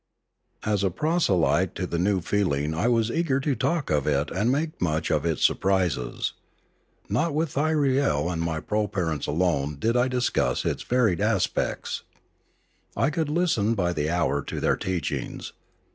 As a proselyte to the new feeling I was eager to talk of it and make much of its surprises. Not with Thyriel 392 An Epidemic 393 and my propa rents alone did I discuss its varied aspects; I could listen by the hour to their teachings.